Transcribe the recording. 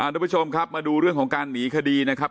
ทุกผู้ชมครับมาดูเรื่องของการหนีคดีนะครับ